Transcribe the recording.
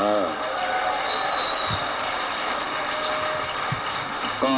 นายยกรัฐมนตรีพบกับทัพนักกีฬาที่กลับมาจากโอลิมปิก๒๐๑๖